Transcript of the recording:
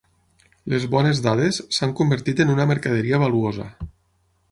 Les bones dades s'han convertit en una mercaderia valuosa.